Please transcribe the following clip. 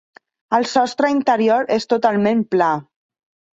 El sostre interior és totalment pla.